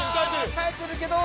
耐えてるけど。